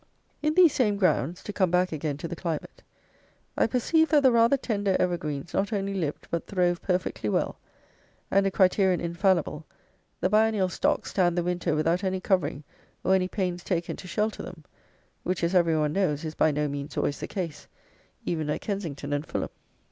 In these same grounds (to come back again to the climate), I perceived that the rather tender evergreens not only lived but throve perfectly well, and (a criterion infallible) the biennial stocks stand the winter without any covering or any pains taken to shelter them; which, as every one knows, is by no means always the case, even at Kensington and Fulham.